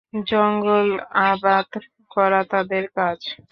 জঙ্গল আবাদ করা তাদের কাজ।